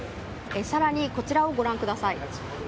更に、こちらをご覧ください。